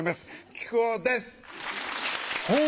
木久扇です！